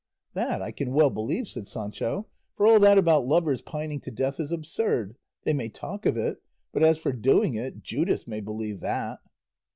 "That I can well believe," said Sancho; "for all that about lovers pining to death is absurd; they may talk of it, but as for doing it Judas may believe that!"